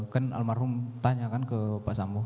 kan almarhum tanya kan ke pak sambo